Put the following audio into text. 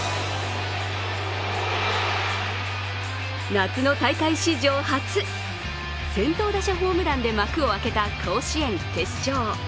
夏の大会史上初、先頭打者ホームランで幕を開けた甲子園決勝。